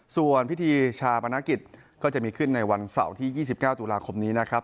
ส่วนพิธีชาปนกิจก็จะมีขึ้นในวันเสาร์ที่๒๙ตุลาคมนี้นะครับ